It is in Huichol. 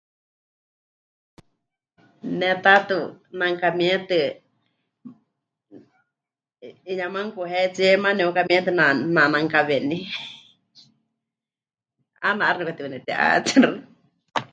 Ne taatu nanukamietɨ 'iyá manukuhetsie maana ne'ukamietɨ na... nananukawení, 'aana 'aixɨ nepɨkatiuneti'aatsíxɨ.